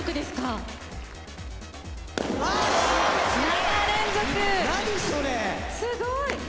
すごい。